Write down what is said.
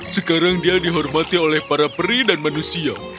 sekarang dia dihormati oleh para peri dan manusia